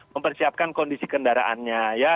mempersiapkan kondisi kendaraannya ya